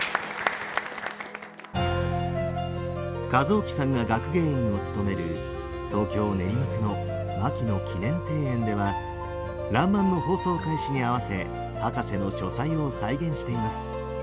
一さんが学芸員を務める東京・練馬区の牧野記念庭園では「らんまん」の放送開始に合わせ博士の書斎を再現しています。